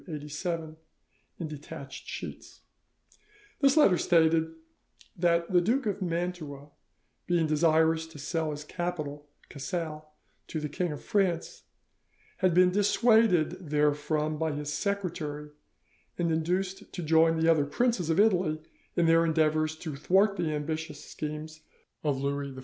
This letter stated (August 1687, article 'Mantoue') that the Duke of Mantua being desirous to sell his capital, Casale, to the King of France, had been dissuaded therefrom by his secretary, and induced to join the other princes of Italy in their endeavours to thwart the ambitious schemes of Louis XVI.